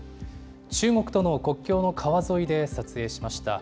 中国との国境の川沿いで撮影しました。